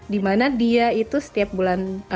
dimana dia itu setiap bulan